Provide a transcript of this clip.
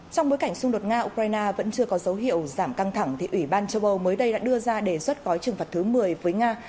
trong bối cảnh xung đột nga ukraine vẫn chưa có dấu hiệu giảm căng thẳng thì ủy ban châu âu mới đây đã đưa ra đề xuất gói trừng phạt thứ một mươi với nga